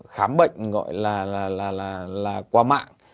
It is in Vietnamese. khám bệnh gọi là qua mạng